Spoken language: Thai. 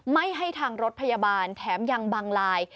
ไม่ให้ทางรถพยาบาลแถมยังบังลาย